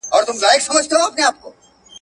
وېره او اندېښنه د څېړونکي له شان سره قطعا نه ښايي.